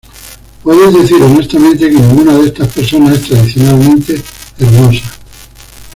Puedes decir honestamente que ninguna de estas personas es tradicionalmente hermosa".